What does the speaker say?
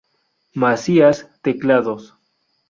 Macías: Teclados